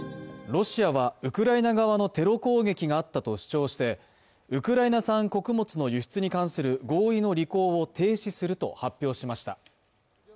ロシアは、ウクライナ側のテロ攻撃があったと主張して、ウクライナ産穀物の輸出に関する合意の履行を停止すると発表しました。